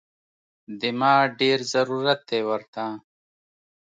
دې ما ډېر ضرورت دی ورته